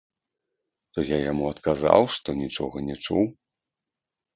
То я яму адказаў, што нічога не чуў.